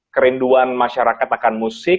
kerinduan masyarakat akan musik